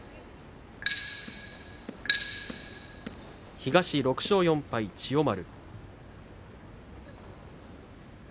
東６勝４敗、千代丸。